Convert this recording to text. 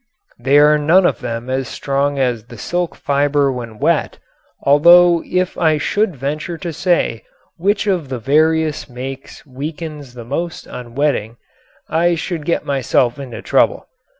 They are none of them as strong as the silk fiber when wet, although if I should venture to say which of the various makes weakens the most on wetting I should get myself into trouble.